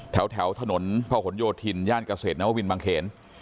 แถวถนนเผาขนโยธินย่านเกษตรน้ำวินบางเขน